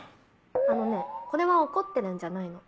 あのねこれは怒ってるんじゃないの。